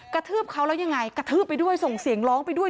ทืบเขาแล้วยังไงกระทืบไปด้วยส่งเสียงร้องไปด้วย